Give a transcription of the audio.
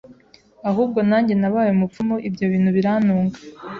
ahubwo nanjye nabaye umupfumu, ibyo bintu birantunga